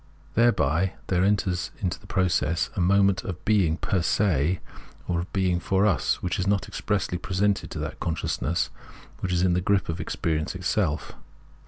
Thereby there enters into its process a moment of being per se or of beiag for us, which is not expressly presented to that consciousness which is in the grip of experience itself.